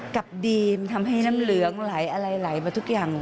กับดีมทำให้น้ำเหลืองไหลอะไรไหลมาทุกอย่าง